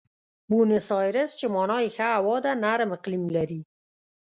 بونیس ایرس چې مانا یې ښه هوا ده، نرم اقلیم لري.